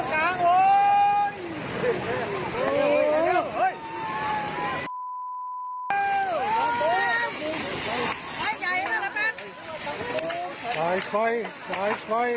ค่อยค่อย